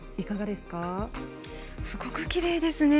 すごくきれいですね。